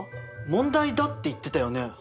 問題だって言ってたよね？